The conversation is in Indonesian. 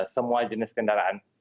semua jenis kendaraan